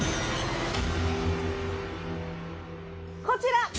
こちら。